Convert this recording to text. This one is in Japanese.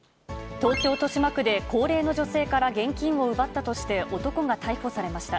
東京・豊島区で、高齢の女性から現金を奪ったとして男が逮捕されました。